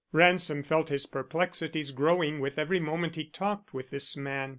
Ransom felt his perplexities growing with every moment he talked with this man.